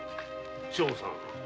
正吾さん